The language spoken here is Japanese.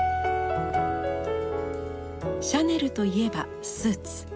シャネルといえばスーツ。